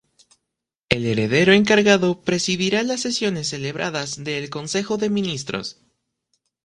El Heredero encargado presidirá las sesiones celebradas del Consejo de Ministros.